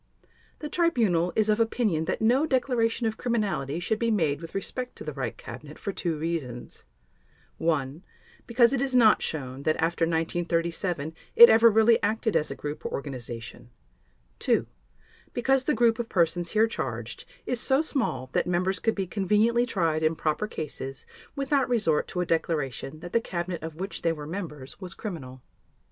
The Tribunal is of opinion that no declaration of criminality should be made with respect to the Reich Cabinet for two reasons: (1) because it is not shown that after 1937 it ever really acted as a group or organization; (2) because the group of persons here charged is so small that members could be conveniently tried in proper cases without resort to a declaration that the Cabinet of which they were members was criminal.